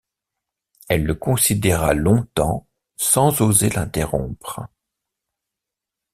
Elle le considéra longtemps sans oser l’interrompre.